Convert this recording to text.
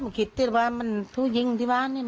มันคิดว่ามันทูลยิงที่บ้านเนี่ย